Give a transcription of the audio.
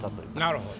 なるほど。